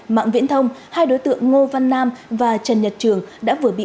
mạng viễn thông hai đối tượng ngô văn nam và trần nhật trường đã vừa bị